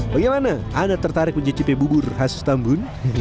bagaimana anda tertarik mencicipi bubur hastambul